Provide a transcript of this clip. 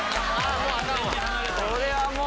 これはもう。